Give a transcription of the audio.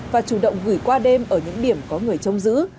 và chủ động gửi qua đêm ở những điểm có người trông giữ